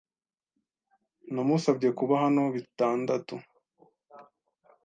Namusabye kuba hano bitandatu.